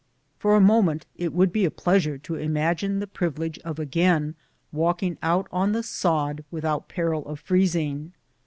For a moment it would be a pleas ure to imagine the privilege of again walking out on the sod without peril of freezing.